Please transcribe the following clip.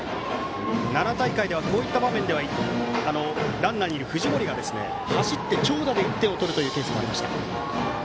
奈良大会ではこういった場面ではランナーにいる藤森が走って長打で１点を取るケースもありました。